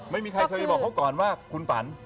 ไม่มีใครเคยบอกเขาก่อนว่าคุณฝัน